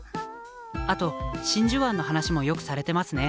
あと真珠湾の話もよくされてますね。